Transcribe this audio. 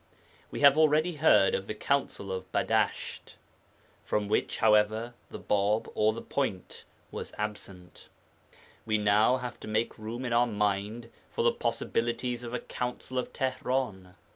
We have already heard of the Council of Badasht (from which, however, the Bāb, or, the Point, was absent); we now have to make room in our mind for the possibilities of a Council of Tihran.